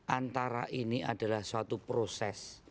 antara ini adalah suatu proses